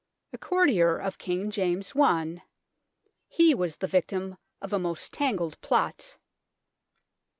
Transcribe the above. A courtier of King James I, he was the victim of a most tangled plot.